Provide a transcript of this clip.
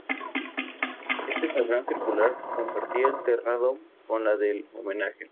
Este torreón circular compartía el terrado con la del homenaje.